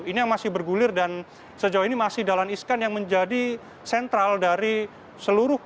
ini yang masih bergulir dan sejauh ini masih dahlan iskan yang menjadi sentral dari seluruh